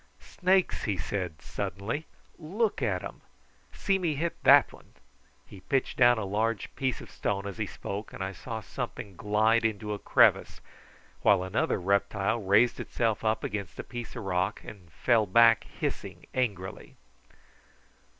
"Snakes!" he said suddenly. "Look at 'em. See me hit that one." He pitched down a large piece of stone as he spoke, and I saw something glide into a crevice, while another reptile raised itself up against a piece of rock and fell back hissing angrily.